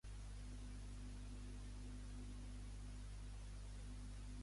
Tens una ànima esplèndida i cortès.